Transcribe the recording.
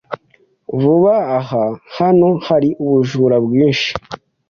Vuba aha, hano hari ubujura bwinshi.